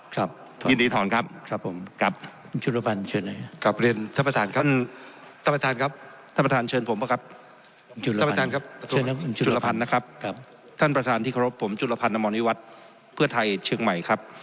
ครับยินดีถอนครับครับท่านประธานเชิญผมป่ะครับท่านประธานเชิญผมป่ะครับท่านประธานที่เคารพผมจุลภัณฑ์นมวิวัฒน์เพื่อไทยเชียงใหม่ครับ